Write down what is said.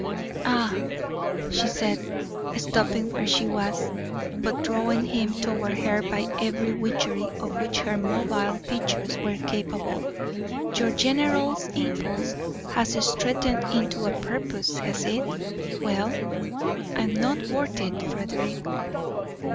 "Ah!" she said, stopping where she was, but drawing him toward her by every witchery of which her mobile features were capable; "your generous impulse has strengthened into a purpose, has it? Well, I'm not worth it, Frederick."